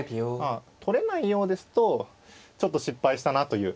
取れないようですとちょっと失敗したなという。